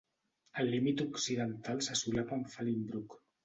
El límit occidental se solapa amb Fallingbrook.